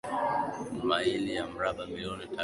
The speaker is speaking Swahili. maili ya mraba milioni tatu na inakaribia